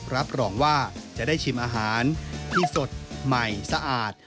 รับรองว่าจะได้ชิมอาหารที่สดใหม่สะอาด